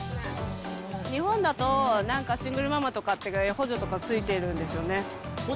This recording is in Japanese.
日本だと、なんかシングルママとかって補助とかついてるんですよね？